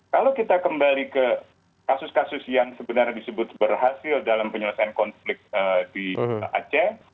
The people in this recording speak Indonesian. kalau kita kembali ke kasus kasus yang sebenarnya disebut berhasil dalam penyelesaian konflik di aceh